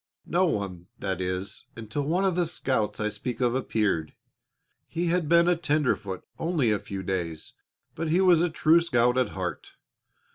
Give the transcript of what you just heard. No one, that is, until one of the scouts I speak of appeared. He had been a tenderfoot only a few days, but he was a true scout at heart.